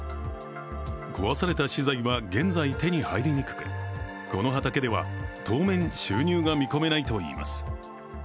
壊れた資材は現在手に入りにくくこの畑では当面、収入が見込めないといいます